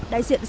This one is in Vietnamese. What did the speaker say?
đại diện sở hữu